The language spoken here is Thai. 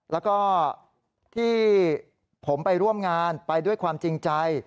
แล้วก็ที่ผมไปร่วมงานไปด้วยความจริงใจ